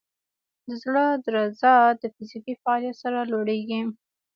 د زړه درزا د فزیکي فعالیت سره لوړېږي.